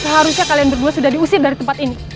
seharusnya kalian berdua sudah diusir dari tempat ini